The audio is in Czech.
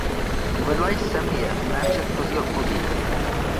Uvedla jsem je v mé předchozí odpovědi.